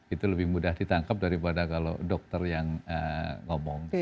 itu lebih mudah ditangkap daripada kalau dokter yang ngomong